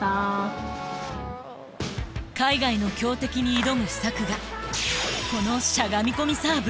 海外の強敵に挑む秘策がこのしゃがみ込みサーブ。